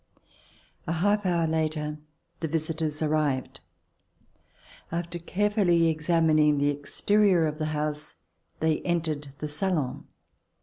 A half an hour later, the visitors arrived. After carefully examining the exterior of the house, they entered the salon.